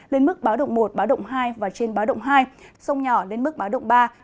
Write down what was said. lên mức báo động một báo động hai và trên báo động hai sông nhỏ lên mức báo động ba